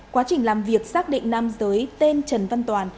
quá trình làm việc xác định nam giới tên trần văn toàn